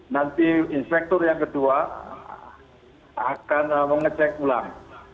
nanti inspektur yang kedua akan mengecek ulang